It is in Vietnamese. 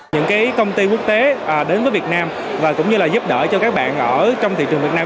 những công ty quốc tế đến với việt nam và cũng như là giúp đỡ cho các bạn ở trong thị trường việt nam